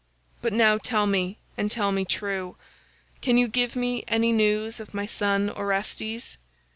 But now tell me, and tell me true, can you give me any news of my son Orestes?